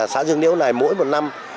xã dương niếu này mỗi một năm